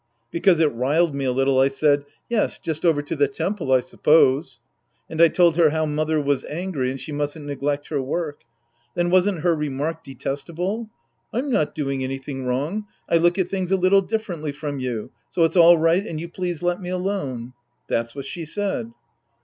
Because it riled me a little, I said, " Yes, just over to the temple, I suppose." And I told her how mother was angry and she mustn't neglect her work. Then wasn't her remark detesta ble ?" I'm not doing anything wrong. I look at things a little differently from you, so it's all right and you please let me alone." That's what she said.